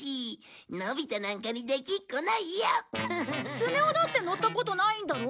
スネ夫だって乗ったことないんだろ！